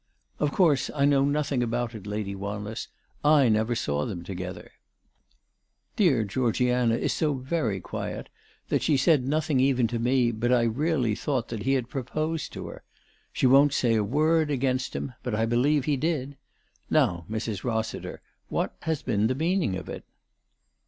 " Of course I know nothing about it, Lady Wanless. I never saw them together." 408 ALICE DUGDALE. " Dear Georgiana is so very quiet that she said nothing even to me, but I really thought that he had proposed to her. She won't say a word against him, but I believe he did. Now, Mrs. Rossiter, what has been the meaning of it